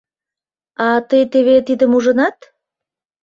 — А тый теве тидым ужынат?